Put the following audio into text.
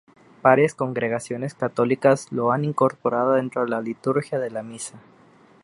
Varias congregaciones católicas lo han incorporado dentro de la liturgia de la misa.